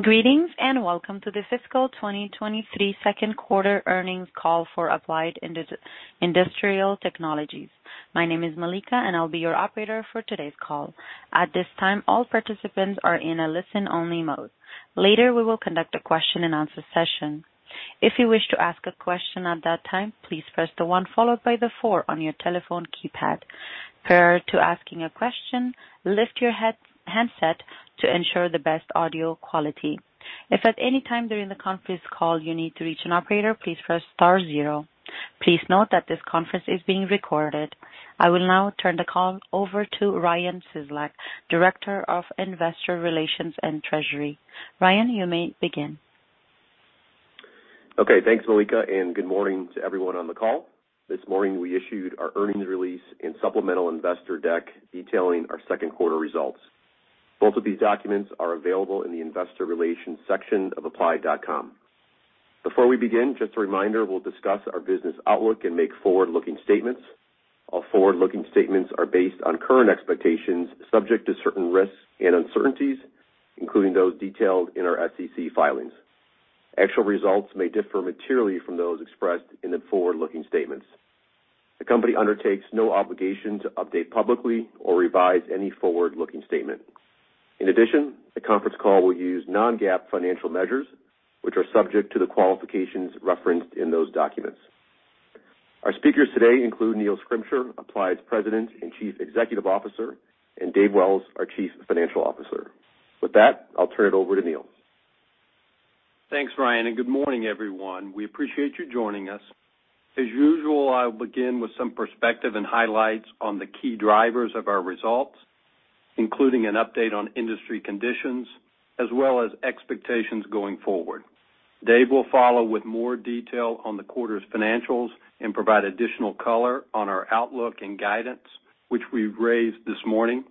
Greetings, welcome to the Fiscal 2023 Second Quarter Earnings Call for Applied Industrial Technologies. My name is Malika, and I'll be your operator for today's call. At this time, all participants are in a listen-only mode. Later, we will conduct a question-and-answer session. If you wish to ask a question at that time, please press the one followed by the four on your telephone keypad. Prior to asking a question, lift your handset to ensure the best audio quality. If at any time during the conference call you need to reach an operator, please press star zero. Please note that this conference is being recorded. I will now turn the call over to Ryan Cieslak, Director of Investor Relations and Treasury. Ryan, you may begin. Okay. Thanks, Malika, and good morning to everyone on the call. This morning, we issued our earnings release and supplemental investor deck detailing our second quarter results. Both of these documents are available in the investor relations section of applied.com. Before we begin, just a reminder, we'll discuss our business outlook and make forward-looking statements. All forward-looking statements are based on current expectations, subject to certain risks and uncertainties, including those detailed in our SEC filings. Actual results may differ materially from those expressed in the forward-looking statements. The company undertakes no obligation to update publicly or revise any forward-looking statement. In addition, the conference call will use non-GAAP financial measures, which are subject to the qualifications referenced in those documents. Our speakers today include Neil Schrimsher, Applied's President and Chief Executive Officer, and David Wells, our Chief Financial Officer. With that, I'll turn it over to Neil. Thanks, Ryan, and good morning, everyone. We appreciate you joining us. As usual, I'll begin with some perspective and highlights on the key drivers of our results, including an update on industry conditions as well as expectations going forward. Dave will follow with more detail on the quarter's financials and provide additional color on our outlook and guidance, which we've raised this morning.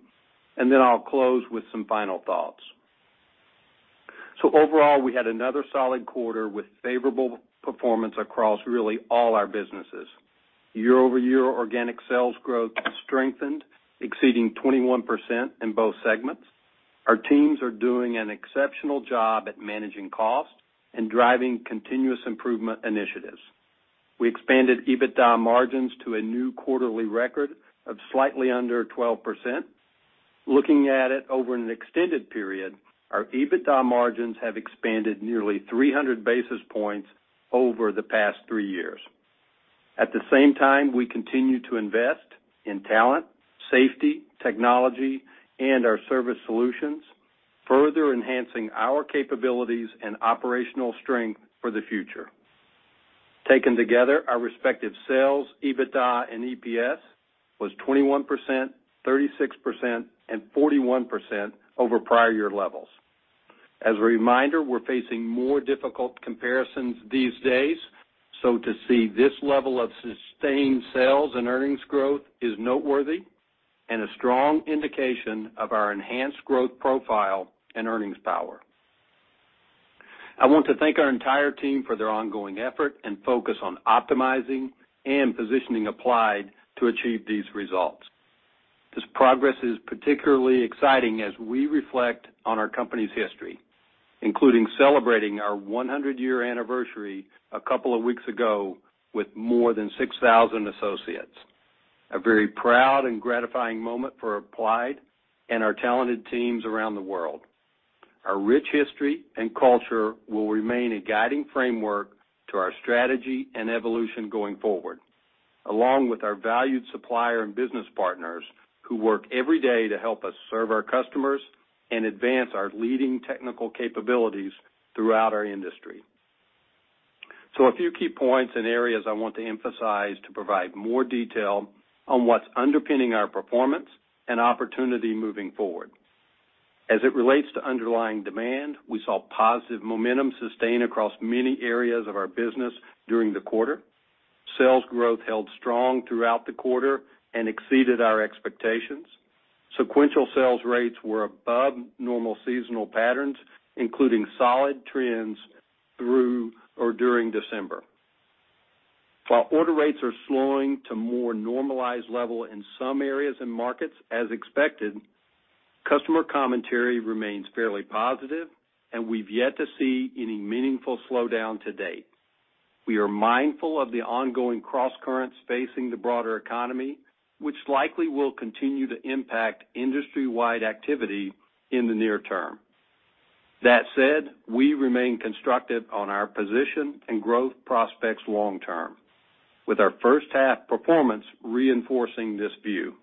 Then I'll close with some final thoughts. Overall, we had another solid quarter with favorable performance across really all our businesses. Year-over-year organic sales growth strengthened, exceeding 21% in both segments. Our teams are doing an exceptional job at managing costs and driving continuous improvement initiatives. We expanded EBITDA margins to a new quarterly record of slightly under 12%. Looking at it over an extended period, our EBITDA margins have expanded nearly 300 basis points over the past three years. At the same time, we continue to invest in talent, safety, technology, and our service solutions, further enhancing our capabilities and operational strength for the future. Taken together, our respective sales, EBITDA, and EPS was 21%, 36%, and 41% over prior year levels. As a reminder, we're facing more difficult comparisons these days, so to see this level of sustained sales and earnings growth is noteworthy and a strong indication of our enhanced growth profile and earnings power. I want to thank our entire team for their ongoing effort and focus on optimizing and positioning Applied to achieve these results. This progress is particularly exciting as we reflect on our company's history, including celebrating our 100-year anniversary a couple of weeks ago with more than 6,000 associates. A very proud and gratifying moment for Applied and our talented teams around the world. Our rich history and culture will remain a guiding framework to our strategy and evolution going forward, along with our valued supplier and business partners who work every day to help us serve our customers and advance our leading technical capabilities throughout our industry. A few key points and areas I want to emphasize to provide more detail on what's underpinning our performance and opportunity moving forward. As it relates to underlying demand, we saw positive momentum sustained across many areas of our business during the quarter. Sales growth held strong throughout the quarter and exceeded our expectations. Sequential sales rates were above normal seasonal patterns, including solid trends through or during December. While order rates are slowing to more normalized level in some areas and markets as expected, customer commentary remains fairly positive, and we've yet to see any meaningful slowdown to date. We are mindful of the ongoing crosscurrents facing the broader economy, which likely will continue to impact industry-wide activity in the near term. That said, we remain constructive on our position and growth prospects long term, with our first half performance reinforcing this view.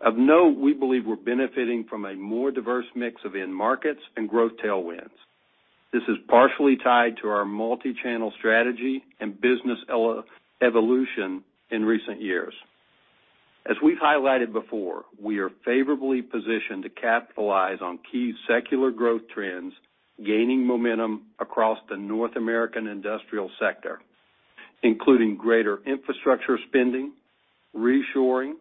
Of note, we believe we're benefiting from a more diverse mix of end markets and growth tailwinds. This is partially tied to our multi-channel strategy and business evolution in recent years. As we've highlighted before, we are favorably positioned to capitalize on key secular growth trends gaining momentum across the North American industrial sector, including greater infrastructure spending, reshoring,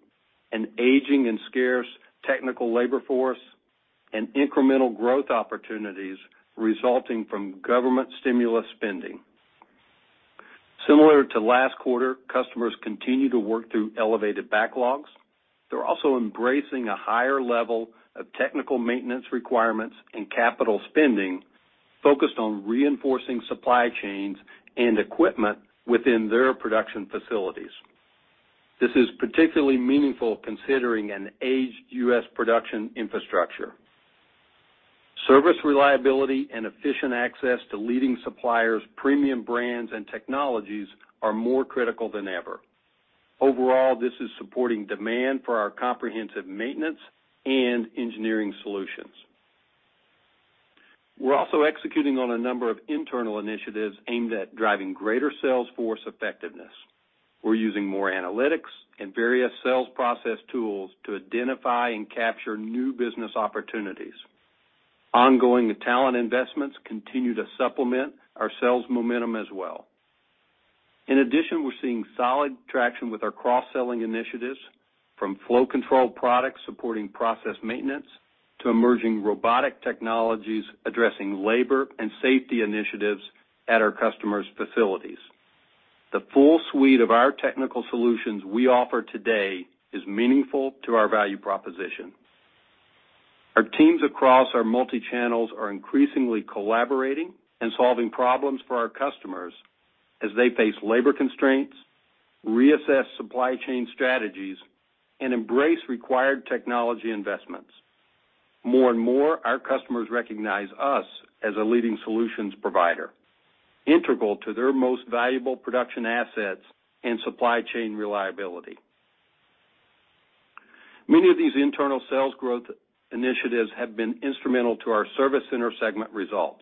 an aging and scarce technical labor force, and incremental growth opportunities resulting from government stimulus spending. Similar to last quarter, customers continue to work through elevated backlogs. They're also embracing a higher level of technical maintenance requirements and capital spending focused on reinforcing supply chains and equipment within their production facilities. This is particularly meaningful considering an aged U.S. production infrastructure. Service reliability and efficient access to leading suppliers, premium brands, and technologies are more critical than ever. This is supporting demand for our comprehensive maintenance and engineering solutions. We're also executing on a number of internal initiatives aimed at driving greater sales force effectiveness. We're using more analytics and various sales process tools to identify and capture new business opportunities. Ongoing talent investments continue to supplement our sales momentum as well. We're seeing solid traction with our cross-selling initiatives, from flow control products supporting process maintenance to emerging robotic technologies addressing labor and safety initiatives at our customers' facilities. The full suite of our technical solutions we offer today is meaningful to our value proposition. Our teams across our multi-channels are increasingly collaborating and solving problems for our customers as they face labor constraints, reassess supply chain strategies, and embrace required technology investments. More and more, our customers recognize us as a leading solutions provider, integral to their most valuable production assets and supply chain reliability. Many of these internal sales growth initiatives have been instrumental to our service center segment results,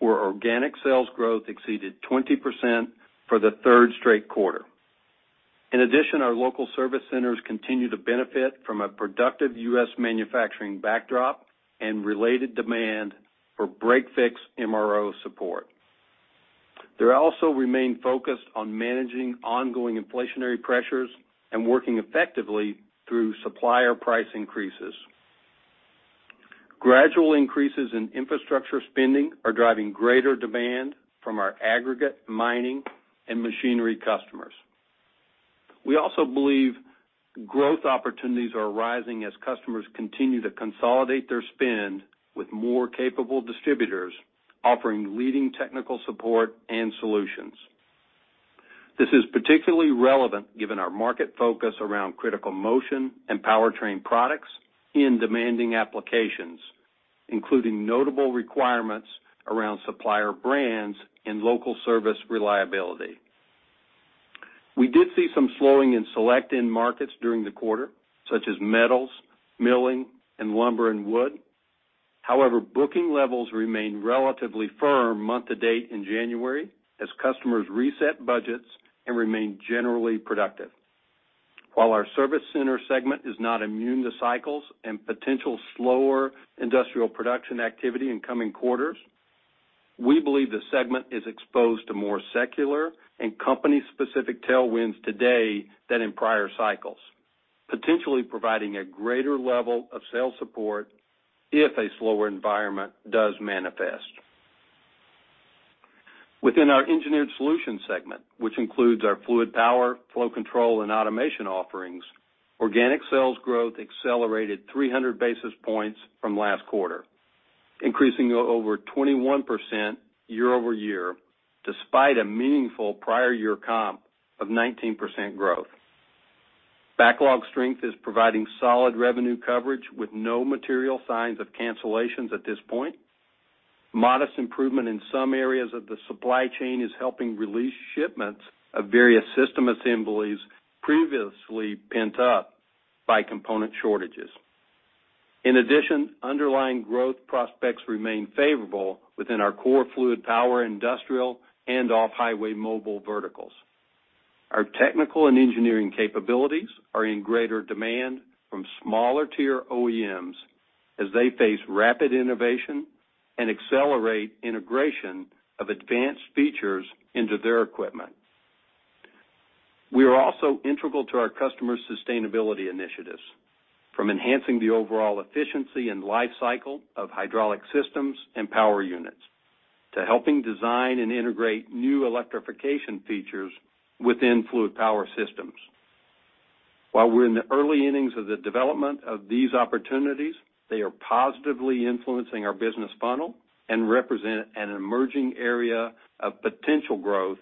where organic sales growth exceeded 20% for the third straight quarter. Our local service centers continue to benefit from a productive U.S. manufacturing backdrop and related demand for break-fix MRO support. They also remain focused on managing ongoing inflationary pressures and working effectively through supplier price increases. Gradual increases in infrastructure spending are driving greater demand from our aggregate mining and machinery customers. We also believe growth opportunities are rising as customers continue to consolidate their spend with more capable distributors offering leading technical support and solutions. This is particularly relevant given our market focus around critical motion and powertrain products in demanding applications, including notable requirements around supplier brands and local service reliability. We did see some slowing in select end markets during the quarter, such as metals, milling, and lumber and wood. However, booking levels remained relatively firm month to date in January as customers reset budgets and remained generally productive. While our service center segment is not immune to cycles and potential slower industrial production activity in coming quarters, we believe the segment is exposed to more secular and company-specific tailwinds today than in prior cycles, potentially providing a greater level of sales support if a slower environment does manifest. Within our engineered solutions segment, which includes our fluid power, flow control, and automation offerings, organic sales growth accelerated 300 basis points from last quarter, increasing over 21% year-over-year, despite a meaningful prior year comp of 19% growth. Backlog strength is providing solid revenue coverage with no material signs of cancellations at this point. Modest improvement in some areas of the supply chain is helping release shipments of various system assemblies previously pent up by component shortages. Underlying growth prospects remain favorable within our core fluid power, industrial, and off-highway mobile verticals. Our technical and engineering capabilities are in greater demand from smaller tier OEMs as they face rapid innovation and accelerate integration of advanced features into their equipment. We are also integral to our customers' sustainability initiatives, from enhancing the overall efficiency and lifecycle of hydraulic systems and power units to helping design and integrate new electrification features within fluid power systems. While we're in the early innings of the development of these opportunities, they are positively influencing our business funnel and represent an emerging area of potential growth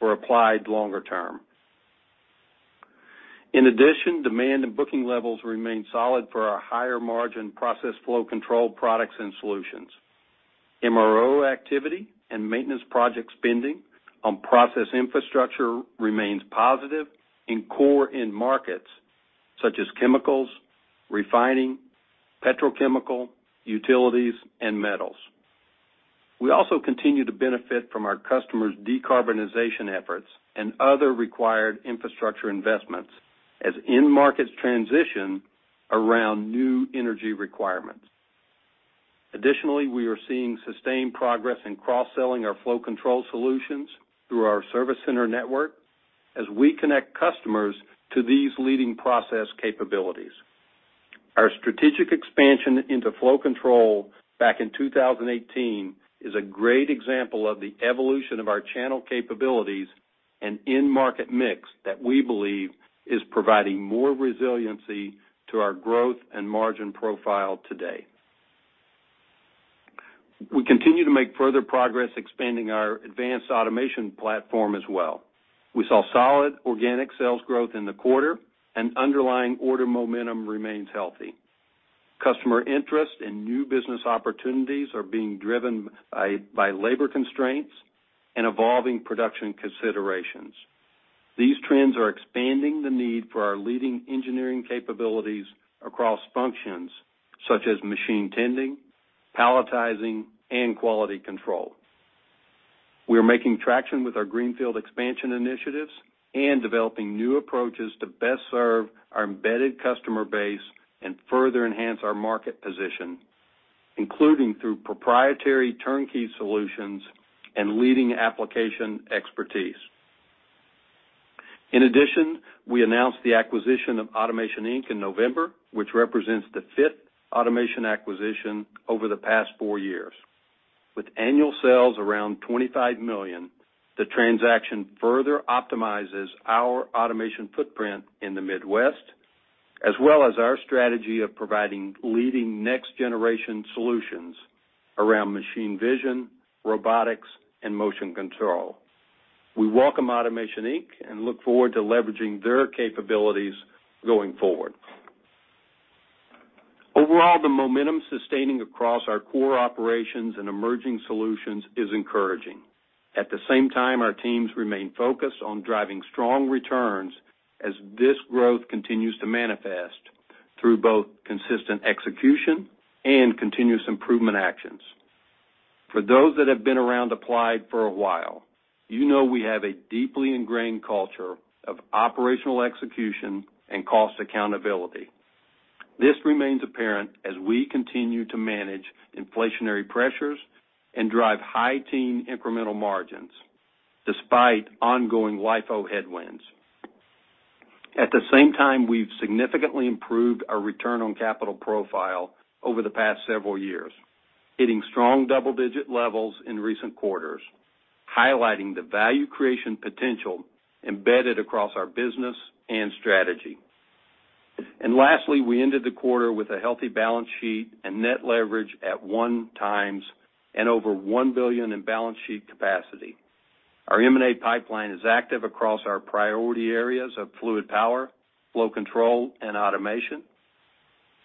for Applied longer term. In addition, demand and booking levels remain solid for our higher-margin process flow control products and solutions. MRO activity and maintenance project spending on process infrastructure remains positive in core end markets such as chemicals, refining, petrochemical, utilities, and metals. We also continue to benefit from our customers' decarbonization efforts and other required infrastructure investments as end markets transition around new energy requirements. Additionally, we are seeing sustained progress in cross-selling our flow control solutions through our service center network as we connect customers to these leading process capabilities. Our strategic expansion into flow control back in 2018 is a great example of the evolution of our channel capabilities and end market mix that we believe is providing more resiliency to our growth and margin profile today. We continue to make further progress expanding our advanced automation platform as well. We saw solid organic sales growth in the quarter and underlying order momentum remains healthy. Customer interest in new business opportunities are being driven by labor constraints and evolving production considerations. These trends are expanding the need for our leading engineering capabilities across functions such as machine tending, palletizing, and quality control. We are making traction with our greenfield expansion initiatives and developing new approaches to best serve our embedded customer base and further enhance our market position, including through proprietary turnkey solutions and leading application expertise. We announced the acquisition of Automation, Inc. in November, which represents the fifth automation acquisition over the past four years. With annual sales around $25 million, the transaction further optimizes our automation footprint in the Midwest, as well as our strategy of providing leading next-generation solutions around machine vision, robotics, and motion control. We welcome Automation, Inc. and look forward to leveraging their capabilities going forward. The momentum sustaining across our core operations and emerging solutions is encouraging. Our teams remain focused on driving strong returns as this growth continues to manifest through both consistent execution and continuous improvement actions. For those that have been around Applied for a while, you know we have a deeply ingrained culture of operational execution and cost accountability. This remains apparent as we continue to manage inflationary pressures and drive high-teen incremental margins despite ongoing LIFO headwinds. At the same time, we've significantly improved our return on capital profile over the past several years, hitting strong double-digit levels in recent quarters, highlighting the value creation potential embedded across our business and strategy. Lastly, we ended the quarter with a healthy balance sheet and net leverage at 1x and over $1 billion in balance sheet capacity. Our M&A pipeline is active across our priority areas of fluid power, flow control, and automation.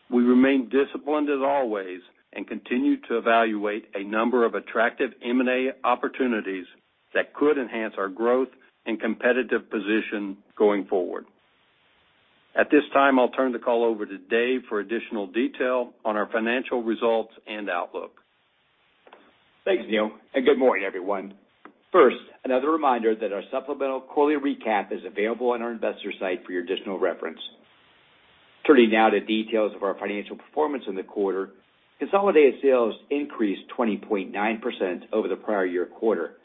We remain disciplined as always and continue to evaluate a number of attractive M&A opportunities that could enhance our growth and competitive position going forward. At this time, I'll turn the call over to Dave for additional detail on our financial results and outlook. Thanks, Neil. Good morning, everyone. First, another reminder that our supplemental quarterly recap is available on our investor site for your additional reference. Turning now to details of our financial performance in the quarter, consolidated sales increased 20.9% over the prior year quarter.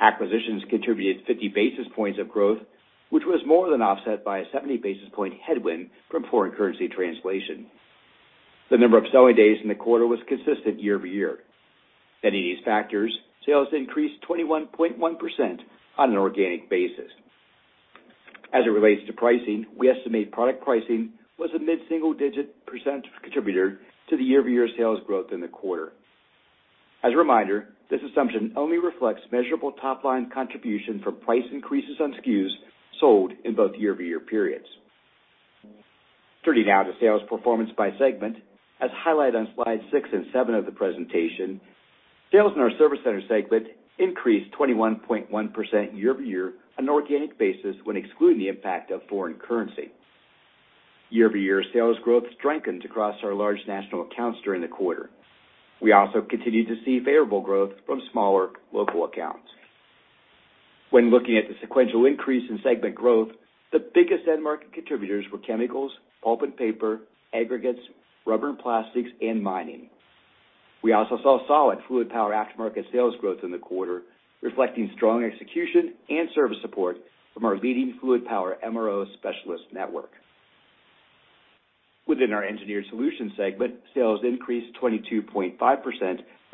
Acquisitions contributed 50 basis points of growth, which was more than offset by a 70 basis point headwind from foreign currency translation. The number of selling days in the quarter was consistent year-over-year. Net of these factors, sales increased 21.1% on an organic basis. As it relates to pricing, we estimate product pricing was a mid-single digit percent contributor to the year-over-year sales growth in the quarter. As a reminder, this assumption only reflects measurable top line contribution from price increases on SKUs sold in both year-over-year periods. Turning now to sales performance by segment. As highlighted on slide six and seven of the presentation, sales in our Service Center segment increased 21.1% year-over-year on an organic basis when excluding the impact of foreign currency. Year-over-year sales growth strengthened across our large national accounts during the quarter. We also continued to see favorable growth from smaller local accounts. When looking at the sequential increase in segment growth, the biggest end market contributors were chemicals, pulp and paper, aggregates, rubber and plastics, and mining. We also saw solid fluid power aftermarket sales growth in the quarter, reflecting strong execution and service support from our leading fluid power MRO specialist network. Within our Engineered Solutions segment, sales increased 22.5%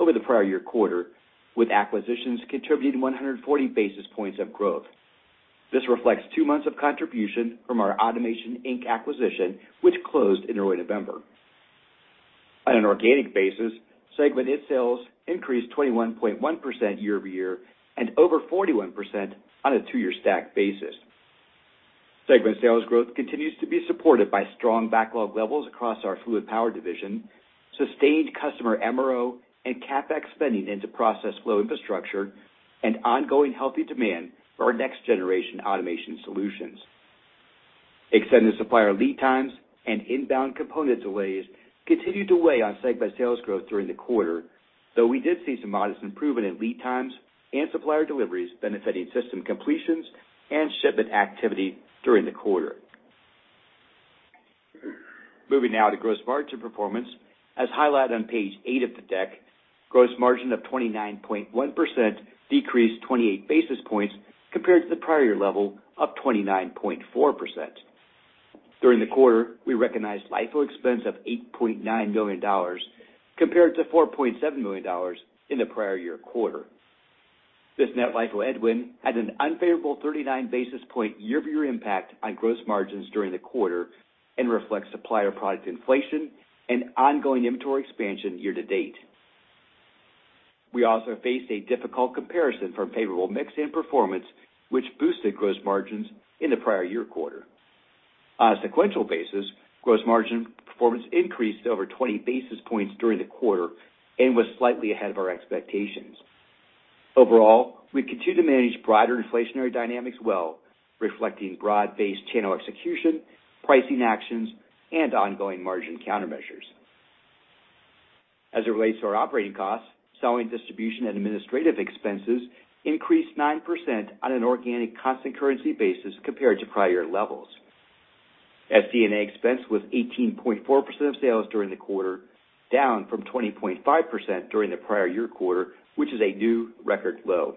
over the prior year quarter, with acquisitions contributing 140 basis points of growth. This reflects two months of contribution from our Automation, Inc. acquisition, which closed in early November. On an organic basis, segment end sales increased 21.1% year-over-year and over 41% on a two-year stack basis. Segment sales growth continues to be supported by strong backlog levels across our fluid power division, sustained customer MRO and CapEx spending into process flow infrastructure, and ongoing healthy demand for our next-generation automation solutions. Extended supplier lead times and inbound component delays continued to weigh on segment sales growth during the quarter, though we did see some modest improvement in lead times and supplier deliveries benefiting system completions and shipment activity during the quarter. Moving now to gross margin performance. As highlighted on page eight of the deck. Gross margin of 29.1% decreased 28 basis points compared to the prior year level of 29.4%. During the quarter, we recognized LIFO expense of $8.9 million compared to $4.7 million in the prior year quarter. This net LIFO headwind had an unfavorable 39 basis point year-over-year impact on gross margins during the quarter and reflects supplier product inflation and ongoing inventory expansion year-to-date. We also faced a difficult comparison from favorable mix and performance, which boosted gross margins in the prior year quarter. On a sequential basis, gross margin performance increased over 20 basis points during the quarter and was slightly ahead of our expectations. Overall, we continue to manage broader inflationary dynamics well, reflecting broad-based channel execution, pricing actions, and ongoing margin countermeasures. As it relates to our operating costs, Selling, Distribution, and Administrative expenses increased 9% on an organic constant currency basis compared to prior levels. SD&A expense was 18.4% of sales during the quarter, down from 20.5% during the prior year quarter, which is a new record low.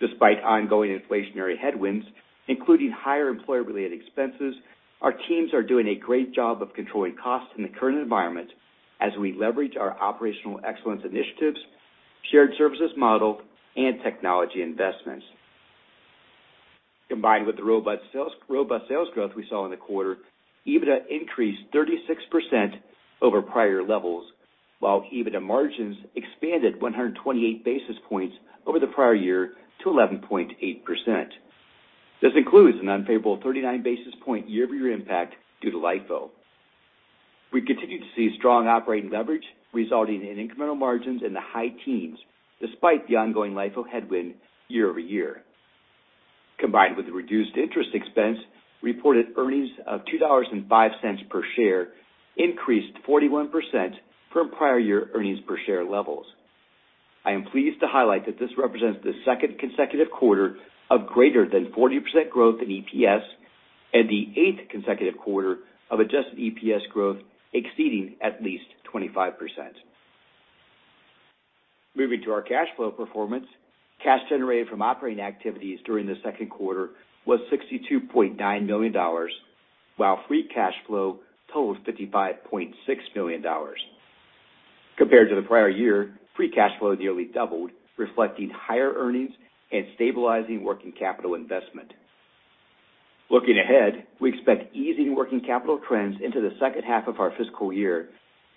Despite ongoing inflationary headwinds, including higher employer-related expenses, our teams are doing a great job of controlling costs in the current environment as we leverage our operational excellence initiatives, shared services model, and technology investments. Combined with the robust sales growth we saw in the quarter, EBITDA increased 36% over prior levels, while EBITDA margins expanded 128 basis points over the prior year to 11.8%. This includes an unfavorable 39 basis point year-over-year impact due to LIFO. We continue to see strong operating leverage resulting in incremental margins in the high teens despite the ongoing LIFO headwind year-over-year. Combined with reduced interest expense, reported earnings of $2.05 per share increased 41% from prior year earnings per share levels. I am pleased to highlight that this represents the second consecutive quarter of greater than 40% growth in EPS and the eighth consecutive quarter of adjusted EPS growth exceeding at least 25%. Moving to our cash flow performance. Cash generated from operating activities during the second quarter was $62.9 million, while free cash flow totaled $55.6 million. Compared to the prior year, free cash flow nearly doubled, reflecting higher earnings and stabilizing working capital investment. Looking ahead, we expect easing working capital trends into the second half of our fiscal year,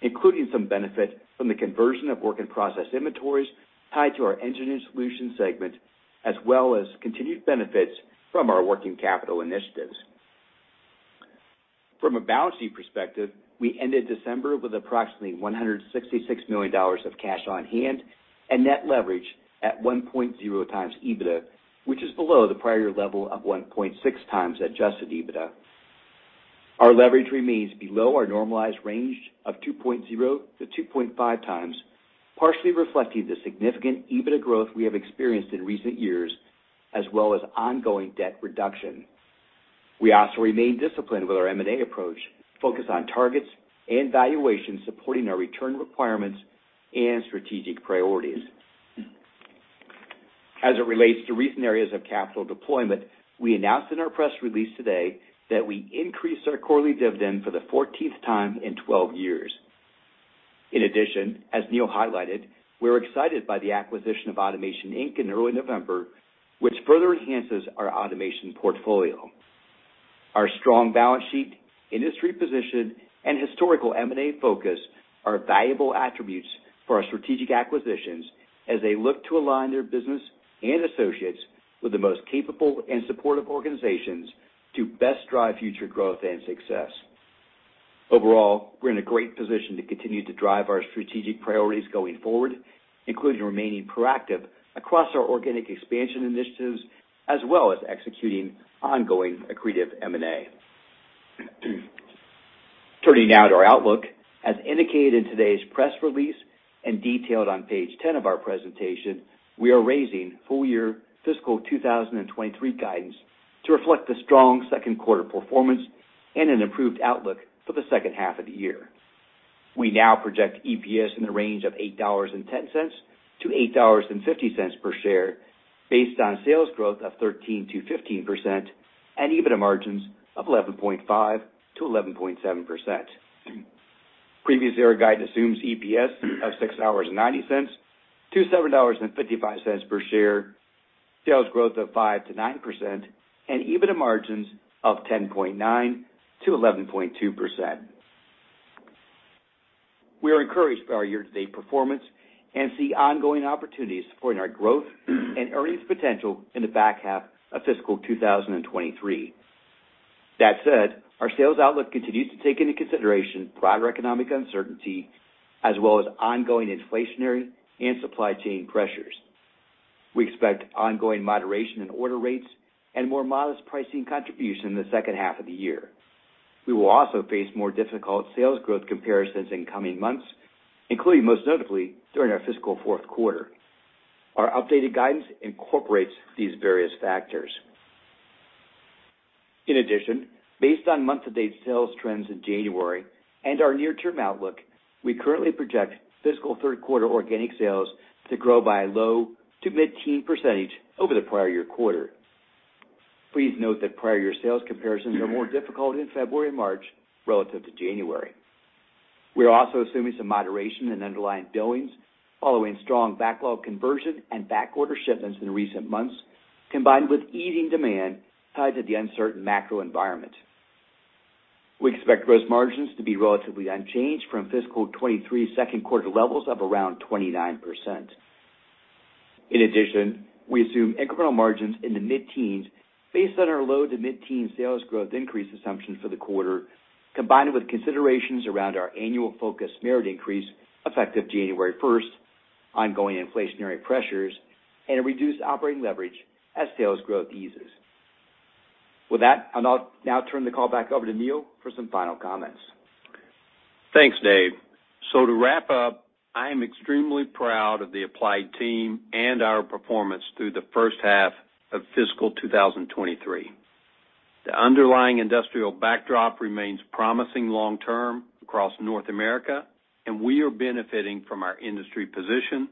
including some benefit from the conversion of work-in-process inventories tied to our Engineering Solutions segment, as well as continued benefits from our working capital initiatives. From a balance sheet perspective, we ended December with approximately $166 million of cash on hand and net leverage at 1.0x EBITDA, which is below the prior year level of 1.6x adjusted EBITDA. Our leverage remains below our normalized range of 2.0x to 2.5x, partially reflecting the significant EBITDA growth we have experienced in recent years, as well as ongoing debt reduction. We also remain disciplined with our M&A approach, focused on targets and valuations supporting our return requirements and strategic priorities. As it relates to recent areas of capital deployment, we announced in our press release today that we increased our quarterly dividend for the 14th time in 12 years. In addition, as Neil highlighted, we're excited by the acquisition of Automation, Inc. in early November, which further enhances our automation portfolio. Our strong balance sheet, industry position, and historical M&A focus are valuable attributes for our strategic acquisitions as they look to align their business and associates with the most capable and supportive organizations to best drive future growth and success. Overall, we're in a great position to continue to drive our strategic priorities going forward, including remaining proactive across our organic expansion initiatives, as well as executing ongoing accretive M&A. Turning now to our outlook. As indicated in today's press release and detailed on page 10 of our presentation, we are raising full year fiscal 2023 guidance to reflect the strong second quarter performance and an improved outlook for the second half of the year. We now project EPS in the range of $8.10-$8.50 per share based on sales growth of 13% to 15% and EBITDA margins of 11.5% to 11.7%. Our guidance assumes EPS of $6.90-$7.55 per share, sales growth of 5% to 9% and EBITDA margins of 10.9% to 11.2%. We are encouraged by our year-to-date performance and see ongoing opportunities supporting our growth and earnings potential in the back half of fiscal 2023. Our sales outlook continues to take into consideration broader economic uncertainty as well as ongoing inflationary and supply chain pressures. We expect ongoing moderation in order rates and more modest pricing contribution in the second half of the year. We will also face more difficult sales growth comparisons in coming months, including most notably during our fiscal fourth quarter. Our updated guidance incorporates these various factors. Based on month-to-date sales trends in January and our near-term outlook, we currently project fiscal third quarter organic sales to grow by low- to mid-teen percentage over the prior year quarter. Please note that prior year sales comparisons are more difficult in February and March relative to January. We are also assuming some moderation in underlying billings following strong backlog conversion and back order shipments in recent months, combined with easing demand tied to the uncertain macro environment. We expect gross margins to be relatively unchanged from fiscal 23 second quarter levels of around 29%. In addition, we assume incremental margins in the mid-teens based on our low to mid-teen sales growth increase assumption for the quarter, combined with considerations around our annual focused merit increase effective January first, ongoing inflationary pressures, and a reduced operating leverage as sales growth eases. With that, I'll now turn the call back over to Neil for some final comments. Thanks, Dave. To wrap up, I am extremely proud of the Applied team and our performance through the first half of fiscal 2023. The underlying industrial backdrop remains promising long term across North America, and we are benefiting from our industry position,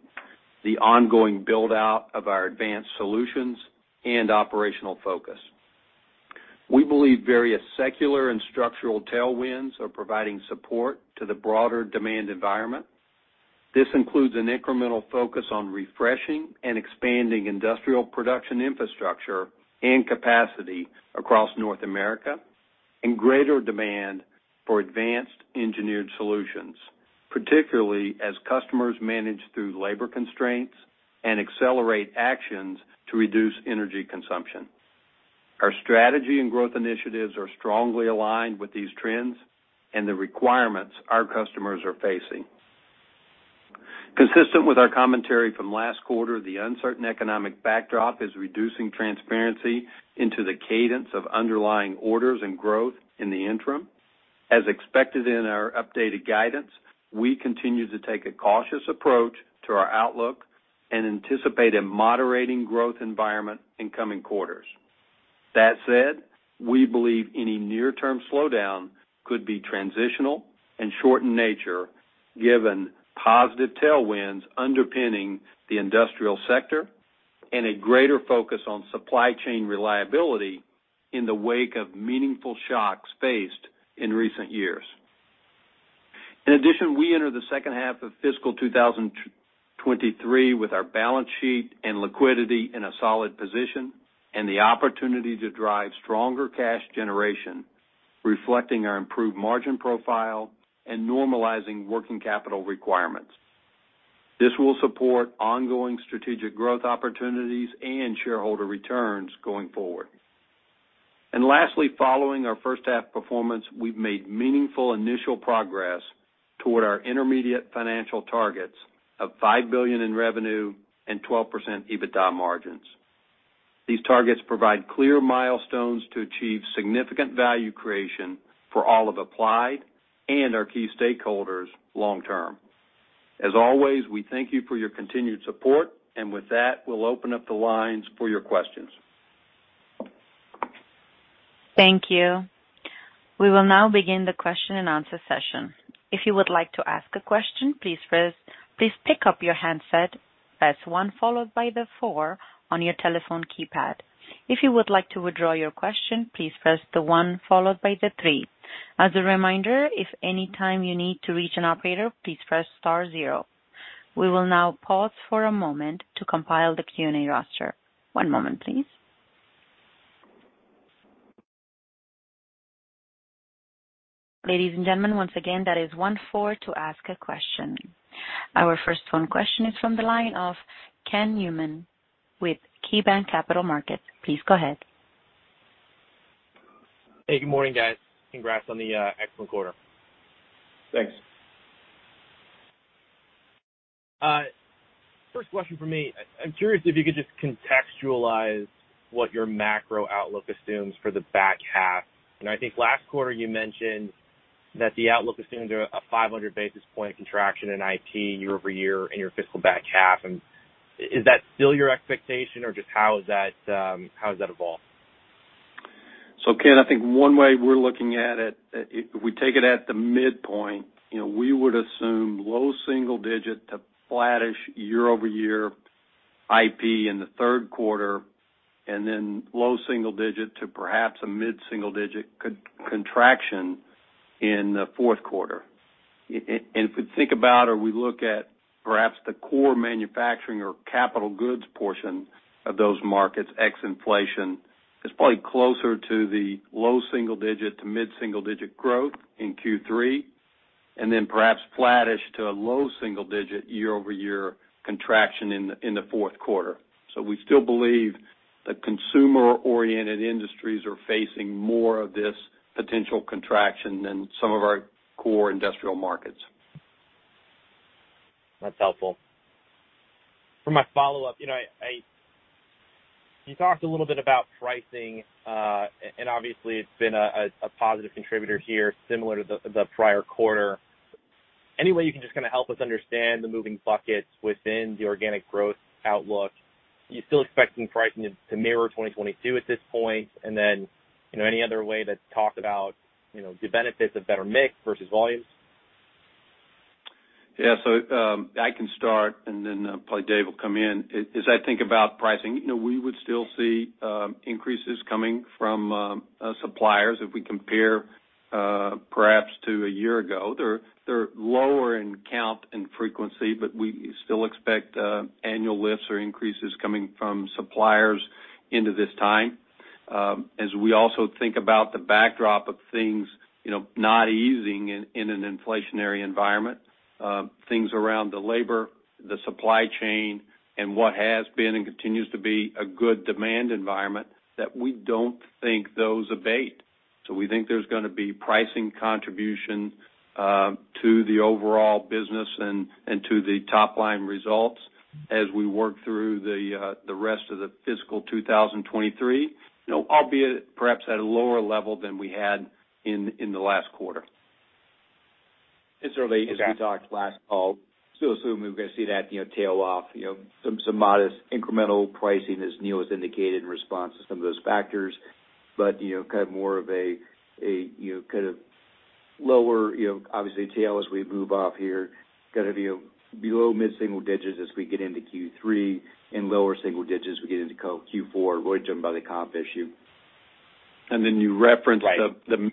the ongoing build-out of our advanced solutions and operational focus. We believe various secular and structural tailwinds are providing support to the broader demand environment. This includes an incremental focus on refreshing and expanding industrial production infrastructure and capacity across North America, and greater demand for advanced engineered solutions, particularly as customers manage through labor constraints and accelerate actions to reduce energy consumption. Our strategy and growth initiatives are strongly aligned with these trends and the requirements our customers are facing. Consistent with our commentary from last quarter, the uncertain economic backdrop is reducing transparency into the cadence of underlying orders and growth in the interim. As expected in our updated guidance, we continue to take a cautious approach to our outlook and anticipate a moderating growth environment in coming quarters. That said, we believe any near-term slowdown could be transitional and short in nature, given positive tailwinds underpinning the industrial sector and a greater focus on supply chain reliability in the wake of meaningful shocks faced in recent years. In addition, we enter the second half of fiscal 2023 with our balance sheet and liquidity in a solid position and the opportunity to drive stronger cash generation, reflecting our improved margin profile and normalizing working capital requirements. This will support ongoing strategic growth opportunities and shareholder returns going forward. Lastly, following our first half performance, we've made meaningful initial progress toward our intermediate financial targets of $5 billion in revenue and 12% EBITDA margins. These targets provide clear milestones to achieve significant value creation for all of Applied and our key stakeholders long term. As always, we thank you for your continued support. With that, we'll open up the lines for your questions. Thank you. We will now begin the question-and-answer session. If you would like to ask a question, please pick up your handset, press one followed by the four on your telephone keypad. If you would like to withdraw your question, please press the one followed by the three. As a reminder, if any time you need to reach an operator, please press star zero. We will now pause for a moment to compile the Q&A roster. One moment please. Ladies and gentlemen, once again, that is one, four to ask a question. Our first phone question is from the line of Ken Newman with KeyBanc Capital Markets. Please go ahead. Hey, good morning, guys. Congrats on the excellent quarter. Thanks. First question from me. I'm curious if you could just contextualize what your macro outlook assumes for the back half. I think last quarter you mentioned that the outlook assumes a 500 basis point contraction in IP year-over-year in your fiscal back half. Is that still your expectation or just how has that evolved? Ken, I think one way we're looking at it, if we take it at the midpoint, you know, we would assume low single digit to flattish year-over-year IP in the third quarter and then low single digit to perhaps a mid-single digit contraction in the fourth quarter. If we think about or we look at perhaps the core manufacturing or capital goods portion of those markets, ex inflation, it's probably closer to the low single digit to mid-single digit growth in Q3, and then perhaps flattish to a low single digit year-over-year contraction in the fourth quarter. We still believe the consumer-oriented industries are facing more of this potential contraction than some of our core industrial markets. That's helpful. For my follow-up, you know, you talked a little bit about pricing, and obviously it's been a positive contributor here similar to the prior quarter. Any way you can just kind of help us understand the moving buckets within the organic growth outlook? You're still expecting pricing to mirror 2022 at this point? You know, any other way to talk about, you know, the benefits of better mix versus volumes? I can start and then probably Dave will come in. As I think about pricing, you know, we would still see increases coming from suppliers if we compare perhaps to a year ago. They're lower in count and frequency, but we still expect annual lifts or increases coming from suppliers into this time. As we also think about the backdrop of things, you know, not easing in an inflationary environment, things around the labor, the supply chain, and what has been and continues to be a good demand environment that we don't think those abate. We think there's gonna be pricing contribution, to the overall business and to the top line results as we work through the rest of the fiscal 2023, you know, albeit perhaps at a lower level than we had in the last quarter. Certainly, as we talked last fall, still assuming we're gonna see that, you know, tail off, you know, some modest incremental pricing, as Neil has indicated, in response to some of those factors. You know, kind of more of a, you know, kind of lower, you know, obviously tail as we move off here, kind of, you know, below mid-single digits as we get into Q3, and lower single digits we get into Q4, really driven by the comp issue. Referenced the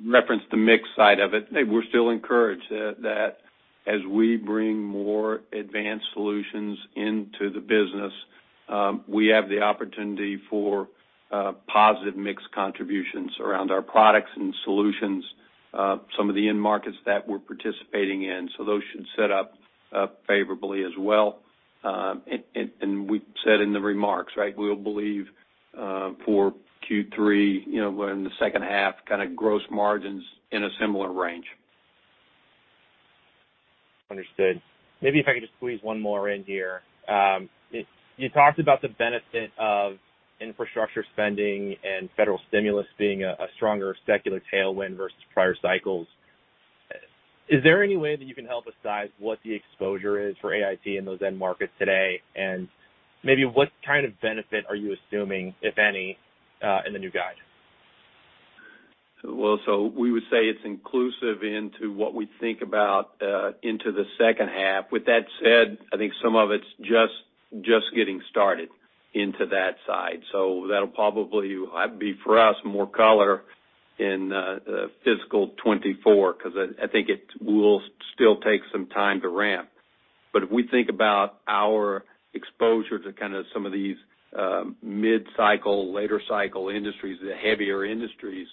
mix side of it. Hey, we're still encouraged that as we bring more advanced solutions into the business, we have the opportunity for positive mix contributions around our products and solutions, some of the end markets that we're participating in. Those should set up favorably as well. We said in the remarks, right, we'll believe for Q3, you know, we're in the second half kind of gross margins in a similar range. Understood. Maybe if I could just squeeze one more in here. You talked about the benefit of infrastructure spending and federal stimulus being a stronger secular tailwind versus prior cycles. Is there any way that you can help us size what the exposure is for AIT in those end markets today? Maybe what kind of benefit are you assuming, if any, in the new guide? We would say it's inclusive into what we think about into the second half. With that said, I think some of it's just getting started into that side. That'll probably be for us more color in fiscal 2024, 'cause I think it will still take some time to ramp. If we think about our exposure to kind of some of these mid-cycle, later cycle industries, the heavier industries,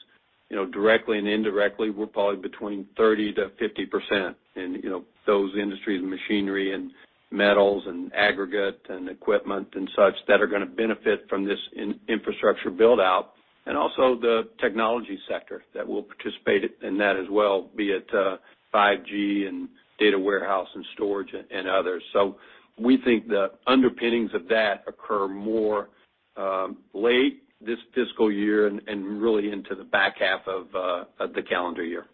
you know, directly and indirectly, we're probably between 30% to 50% in, you know. Those industries, machinery and metals and aggregate and equipment and such that are gonna benefit from this infrastructure build out, and also the technology sector that will participate in that as well, be it 5G and data warehouse and storage and others. We think the underpinnings of that occur more late this fiscal year and really into the back half of the calendar year.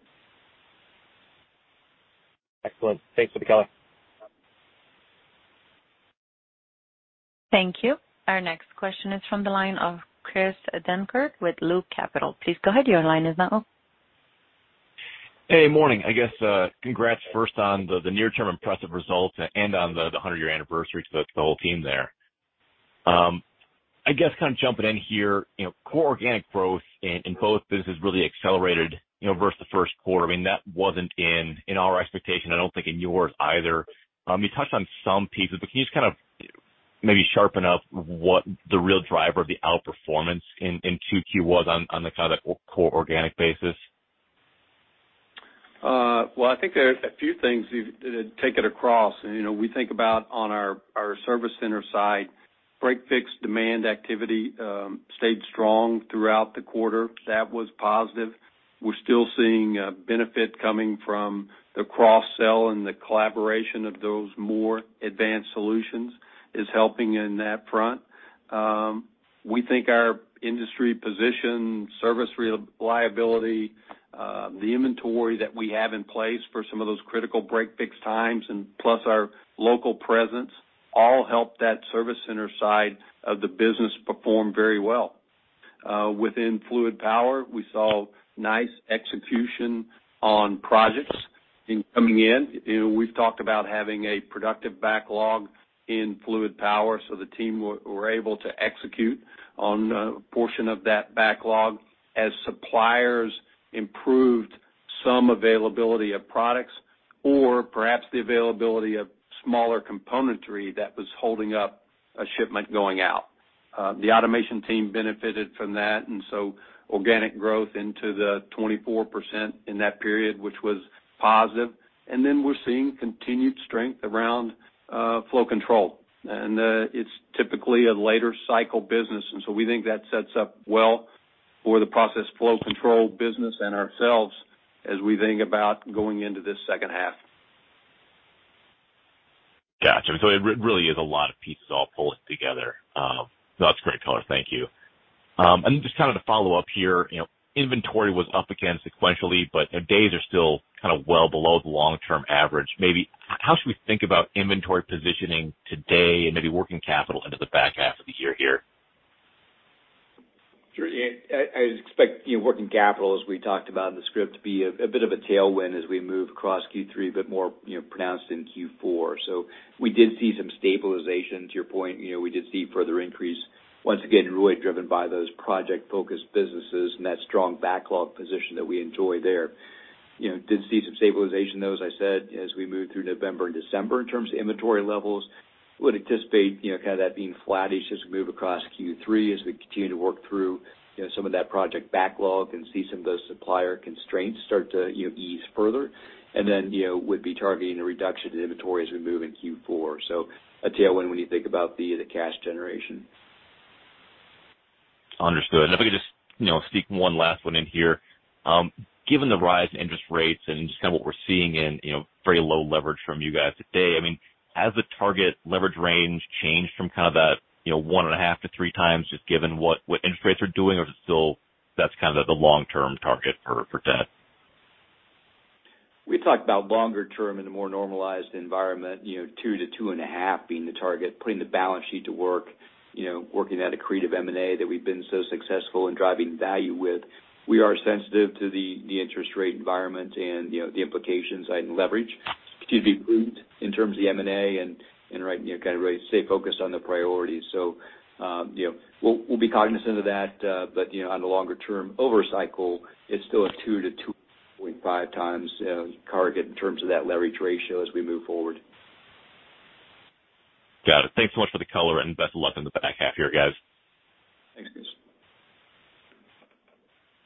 Excellent. Thanks for the color. Thank you. Our next question is from the line of Chris Dankert with Loop Capital. Please go ahead. Your line is now open. Hey, morning. I guess, congrats first on the near term impressive results and on the 100-year anniversary to the whole team there. I guess kind of jumping in here, you know, core organic growth in both businesses really accelerated, you know, versus the first quarter. I mean, that wasn't in our expectation, I don't think in yours either. You touched on some pieces, but can you just kind of maybe sharpen up what the real driver of the outperformance in 2Q was on the kind of core organic basis? Well, I think there are a few things to take it across. You know, we think about on our service center side, break-fix demand activity, stayed strong throughout the quarter. That was positive. We're still seeing benefit coming from the cross-sell, and the collaboration of those more advanced solutions is helping in that front. We think our industry position, service reliability, the inventory that we have in place for some of those critical break-fix times, and plus our local presence all help that service center side of the business perform very well. Within fluid power, we saw nice execution on projects coming in. You know, we've talked about having a productive backlog in fluid power, so the team were able to execute on a portion of that backlog as suppliers improved some availability of products or perhaps the availability of smaller componentry that was holding up a shipment going out. The automation team benefited from that, and so organic growth into the 24% in that period, which was positive. We're seeing continued strength around flow control. It's typically a later cycle business, and so we think that sets up well for the process flow control business and ourselves as we think about going into this second half. It really is a lot of pieces all pulling together. That's great color. Thank you. Just kind of to follow up here, you know, inventory was up again sequentially, but days are still kind of well below the long-term average. Maybe how should we think about inventory positioning today and maybe working capital into the back half of the year here? Sure. Yeah. I expect, you know, working capital, as we talked about in the script, to be a bit of a tailwind as we move across Q3, but more, you know, pronounced in Q4. We did see some stabilization to your point. You know, we did see further increase, once again, really driven by those project-focused businesses and that strong backlog position that we enjoy there. You know, did see some stabilization though, as I said, as we move through November and December in terms of inventory levels. Would anticipate, you know, kind of that being flattish as we move across Q3, as we continue to work through, you know, some of that project backlog and see some of those supplier constraints start to, you know, ease further. You know, would be targeting a reduction in inventory as we move in Q4. A tailwind when you think about the cash generation. Understood. If I could just, you know, sneak one last one in here. Given the rise in interest rates and just kind of what we're seeing in, you know, very low leverage from you guys today, I mean, has the target leverage range changed from kind of that, you know, 1.5x to 3x, just given what interest rates are doing, or is it still that's kind of the long-term target for debt? We talked about longer term in a more normalized environment, you know, 2x to 2.5x being the target, putting the balance sheet to work, you know, working at accretive M&A that we've been so successful in driving value with. We are sensitive to the interest rate environment and, you know, the implications on leverage, could be improved in terms of the M&A and right, you know, kind of really stay focused on the priorities. You know, we'll be cognizant of that. You know, on the longer term over cycle, it's still a 2x to 2.5x target in terms of that leverage ratio as we move forward. Got it. Thanks so much for the color and best of luck in the back half here, guys. Thanks, Chris.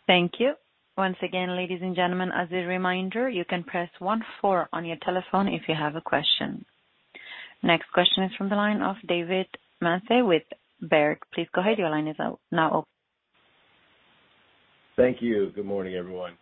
Thank you. Once again, ladies and gentlemen, as a reminder, you can press one four on your telephone if you have a question. Next question is from the line of David Manthey with Baird. Please go ahead. Your line is now open. Thank you. Good morning, everyone.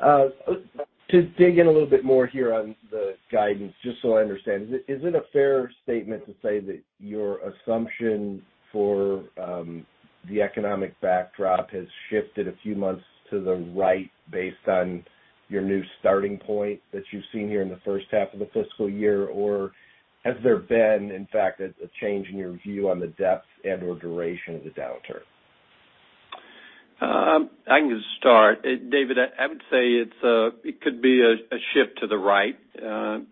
To dig in a little bit more here on the guidance, just so I understand, is it a fair statement to say that your assumption for the economic backdrop has shifted a few months to the right based on your new starting point that you've seen here in the first half of the fiscal year? Or has there been, in fact, a change in your view on the depth and or duration of the downturn? I can start. David, I would say it's a shift to the right.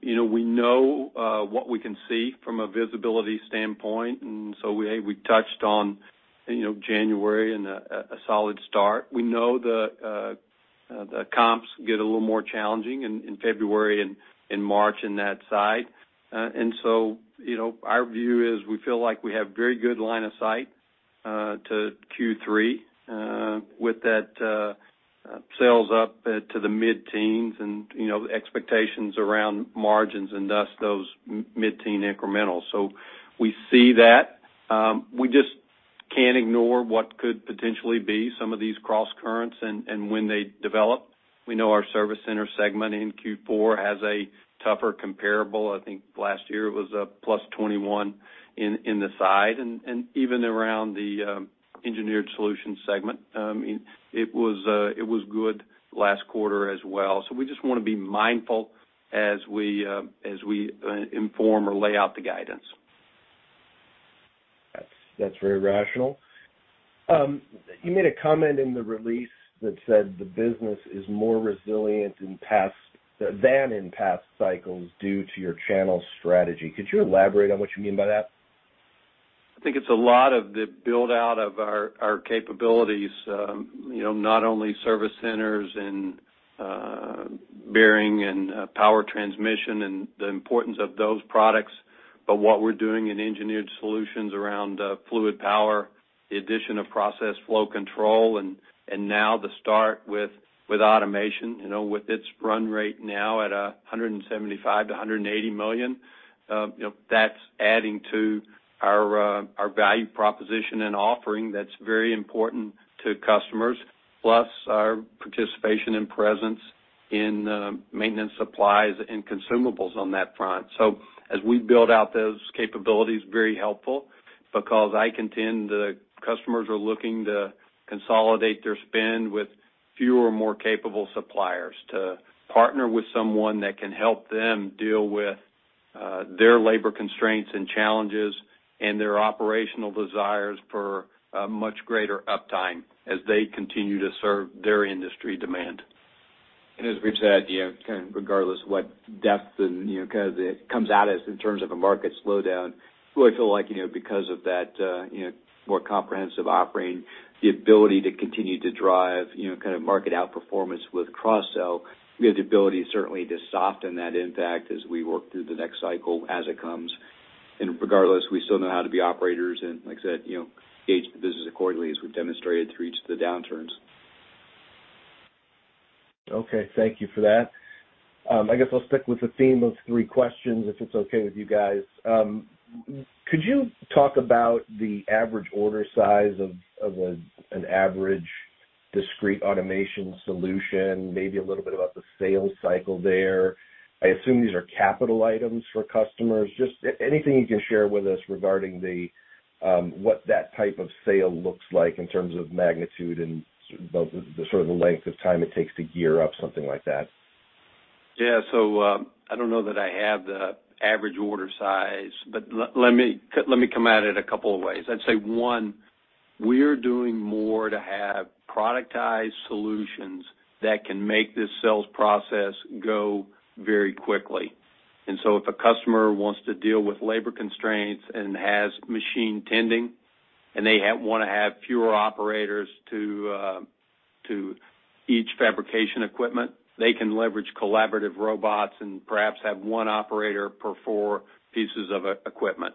You know, we know what we can see from a visibility standpoint. We touched on, you know, January and a solid start. We know the comps get a little more challenging in February and March in that side. You know, our view is we feel like we have very good line of sight to Q3, with that sales up to the mid-teens and, you know, expectations around margins and thus those mid-teen incremental. We see that. We just can't ignore what could potentially be some of these crosscurrents and when they develop. We know our service center segment in Q4 has a tougher comparable. I think last year it was a +21 in the side. Even around the engineered solutions segment, it was good last quarter as well. We just wanna be mindful as we inform or lay out the guidance. That's very rational. You made a comment in the release that said the business is more resilient than in past cycles due to your channel strategy. Could you elaborate on what you mean by that? I think it's a lot of the build out of our capabilities, you know, not only service centers and bearing and power transmission and the importance of those products, but what we're doing in engineered solutions around fluid power, the addition of process flow control, and now the start with Automation, you know, with its run rate now at $175 million-$180 million. You know, that's adding to our value proposition and offering that's very important to customers, plus our participation and presence in maintenance supplies and consumables on that front. As we build out those capabilities, very helpful because I contend the customers are looking to consolidate their spend with fewer, more capable suppliers to partner with someone that can help them deal with their labor constraints and challenges and their operational desires for a much greater uptime as they continue to serve their industry demand. As we've said, you know, kind of regardless what depth and, you know, kind of it comes out as in terms of a market slowdown, we feel like, you know, because of that, you know, more comprehensive offering, the ability to continue to drive, you know, kind of market outperformance with cross-sell, we have the ability certainly to soften that impact as we work through the next cycle as it comes. Regardless, we still know how to be operators and like I said, you know, gauge the business accordingly as we've demonstrated through each of the downturns. Okay. Thank you for that. I guess I'll stick with the theme of three questions if it's okay with you guys. Could you talk about the average order size of an average discrete automation solution, maybe a little bit about the sales cycle there. I assume these are capital items for customers. Just anything you can share with us regarding the, what that type of sale looks like in terms of magnitude and the sort of the length of time it takes to gear up something like that. Yeah. I don't know that I have the average order size, but let me come at it a couple of ways. I'd say, one, we're doing more to have productized solutions that can make this sales process go very quickly. If a customer wants to deal with labor constraints and has machine tending, and they wanna have fewer operators to each fabrication equipment, they can leverage collaborative robots and perhaps have one operator per four pieces of equipment.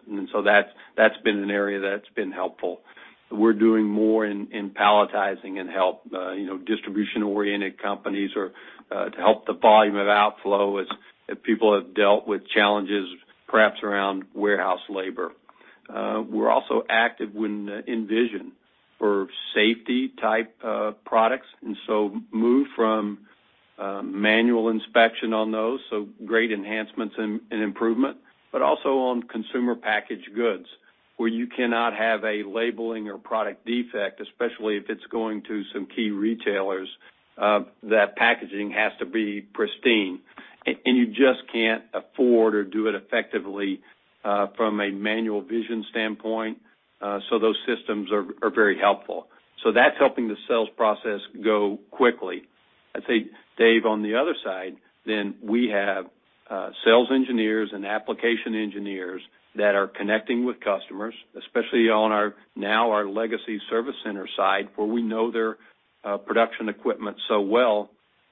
That's been an area that's been helpful. We're doing more in palletizing and help, you know, distribution-oriented companies or to help the volume of outflow as people have dealt with challenges perhaps around warehouse labor. We're also active when in vision for safety type products, move from manual inspection on those, so great enhancements and improvement. Also on consumer packaged goods, where you cannot have a labeling or product defect, especially if it's going to some key retailers, that packaging has to be pristine. You just can't afford or do it effectively from a manual vision standpoint, so those systems are very helpful. That's helping the sales process go quickly. I'd say, Dave, on the other side, we have sales engineers and application engineers that are connecting with customers, especially on our now our legacy service center side, where we know their production equipment so well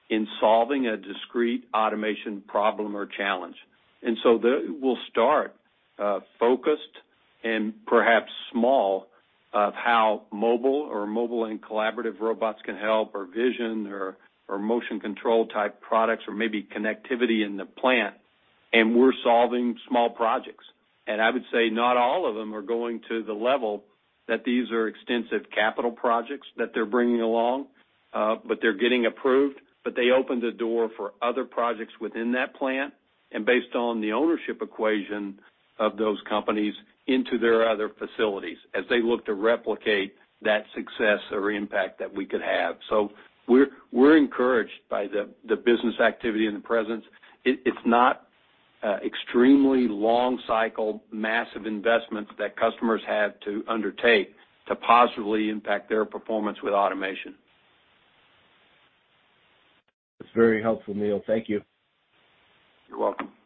in solving a discrete automation problem or challenge. We'll start focused and perhaps small of how mobile or mobile and collaborative robots can help or vision or motion control type products or maybe connectivity in the plant, and we're solving small projects. I would say not all of them are going to the level that these are extensive capital projects that they're bringing along, but they're getting approved. They open the door for other projects within that plant, and based on the ownership equation of those companies into their other facilities as they look to replicate that success or impact that we could have. We're, we're encouraged by the business activity and the presence. It's not extremely long cycle, massive investments that customers have to undertake to positively impact their performance with automation. That's very helpful, Neil. Thank you. You're welcome. Thank you.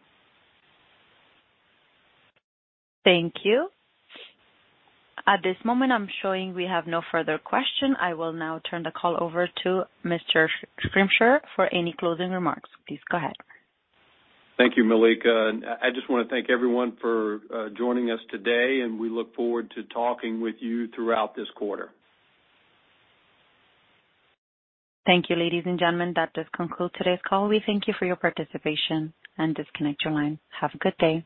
At this moment, I'm showing we have no further question. I will now turn the call over to Mr. Schrimsher for any closing remarks. Please go ahead. Thank you, Malika. I just wanna thank everyone for joining us today, and we look forward to talking with you throughout this quarter. Thank you, ladies and gentlemen. That does conclude today's call. We thank you for your participation and disconnect your line. Have a good day.